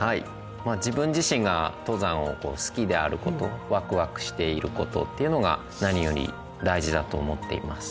まあ自分自身が登山を好きであることワクワクしていることっていうのが何より大事だと思っています。